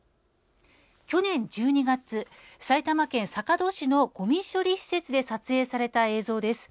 去年１２月埼玉県坂戸市のごみ処理施設で撮影された映像です。